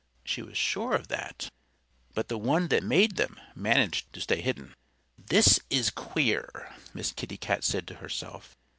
She was sure of that. But the one that made them managed to stay hidden. "This is queer!" Miss Kitty Cat said to herself.